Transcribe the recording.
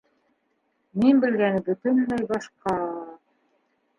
Мин белгәне бөтөнләй башҡа...